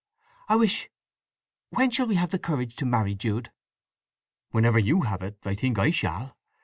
"I wish—When shall we have courage to marry, Jude?" "Whenever you have it, I think I shall.